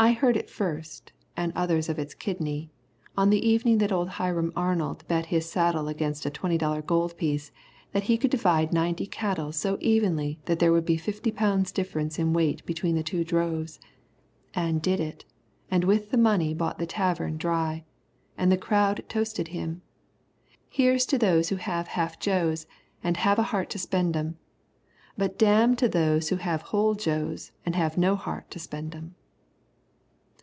I heard it first, and others of its kidney, on the evening that old Hiram Arnold bet his saddle against a twenty dollar gold piece, that he could divide ninety cattle so evenly that there would not be fifty pounds difference in weight between the two droves, and did it, and with the money bought the tavern dry. And the crowd toasted him: "Here's to those who have half joes, and have a heart to spend 'em; But damn those who have whole joes, and have no heart to spend 'em."